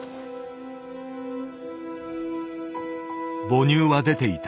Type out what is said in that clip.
母乳は出ていた。